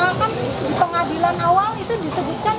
karena kan di pengadilan awal itu disebutkan tiga